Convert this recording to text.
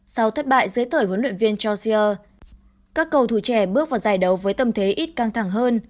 sau thất bại dưới thời huấn luyện viên chelsea các cầu thù trẻ bước vào giải đấu với tâm thế ít căng thẳng hơn